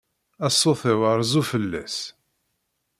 A ṣṣut-iw rzu fell-as.